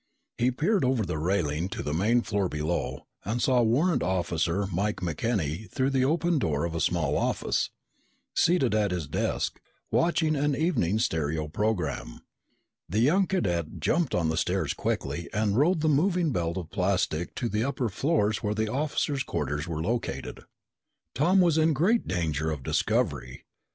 He peered over the railing to the main floor below and saw Warrant Officer Mike McKenny through the open door of a small office, seated at his desk, watching an evening stereo program. The young cadet jumped on the stairs quickly and rode the moving belt of plastic to the upper floors where the officers' quarters were located. Tom was in great danger of discovery.